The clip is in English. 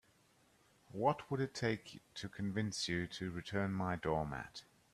What would it take to convince you to return my doormat?